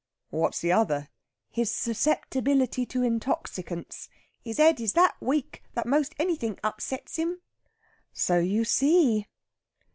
"What's the other?" "His susceptibility to intoxicants. His 'ed is that weak that 'most anythink upsets him. So you see."